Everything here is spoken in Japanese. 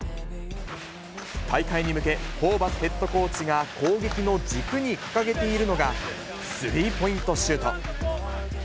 大会に向け、ホーバスヘッドコーチが攻撃の軸に掲げているのが、スリーポイントシュート。